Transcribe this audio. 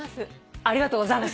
ありがとうございます。